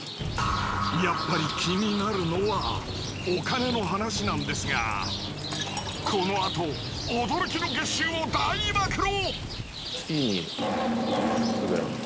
やっぱり気になるのはお金の話なんですがこのあと驚きの月収を大暴露！